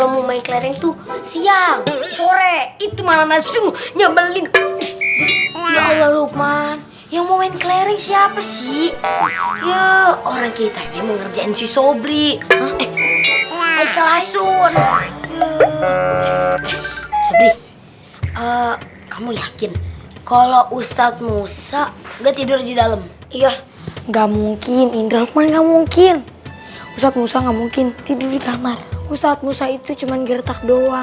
main kelereng main kelereng lagi berenang berenang dalam masalah